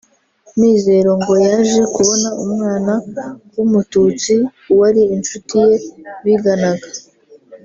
Mizero ngo yaje kubona umwana w’umututsi wari inshuti ye biganaga